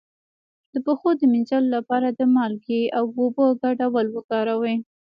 د پښو د مینځلو لپاره د مالګې او اوبو ګډول وکاروئ